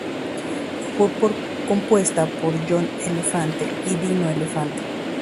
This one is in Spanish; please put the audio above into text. Fue compuesta por John Elefante y Dino Elefante.